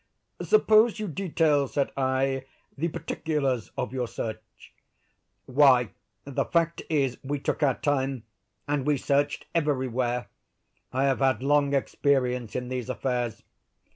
"Suppose you detail," said I, "the particulars of your search." "Why the fact is, we took our time, and we searched everywhere. I have had long experience in these affairs.